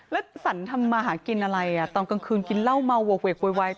แล้วสรรทำมาหากินอะไรตอนกลางคืนกินเหล้าเมาโหกเวกโวยวาย